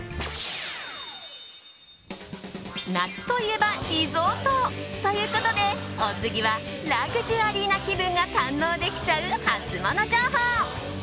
夏といえばリゾートということでお次は、ラグジュアリーな気分が堪能できちゃうハツモノ情報。